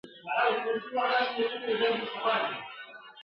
چي ناوخته به هیلۍ کله راتللې !.